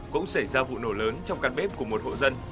cũng xảy ra vụ nổ lớn trong căn bếp của một hộ dân